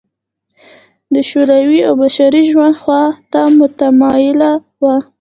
د شعوري او بشري ژوند خوا ته متمایله وه.